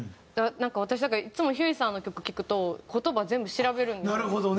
私だからいつもひゅーいさんの曲聴くと言葉全部調べるんですよね。